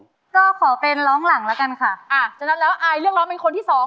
ก็ขอเป็นร้องหลังแล้วกันค่ะอ่าฉะนั้นแล้วอายเลือกร้องเป็นคนที่สอง